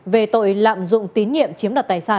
về tội lạm dụng tín nhiệm